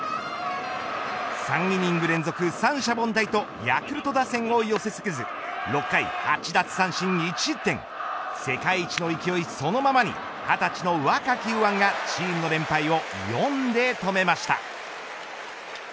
３イニング連続三者凡退とヤクルト打線を寄せ付けず６回初の８奪三振１失点世界一の勢いそのままに２０歳の若き右腕がチームの連敗を４で止めました。